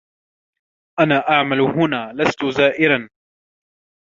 أنا أعمل هنا. لست زائرا.